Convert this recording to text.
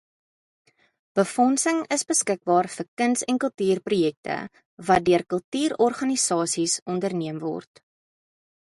Befondsing is beskikbaar vir kuns- en kultuurprojekte wat deur kultuurorganisasies onderneem word.